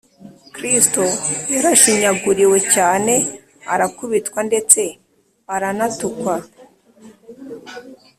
kristo yarashinyaguriwe cyane, arakubitwa ndetse aranatukwa